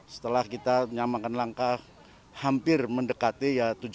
setelah kita menyamakan langkah hampir mendekati tujuh puluh